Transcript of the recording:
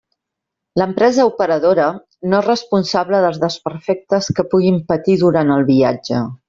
L'empresa operadora no és responsable dels desperfectes que puguin patir durant el viatge.